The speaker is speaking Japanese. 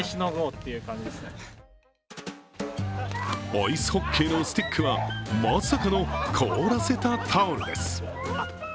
アイスホッケーのスティックは、まさかの凍らせたタオルです。